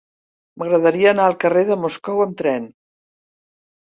M'agradaria anar al carrer de Moscou amb tren.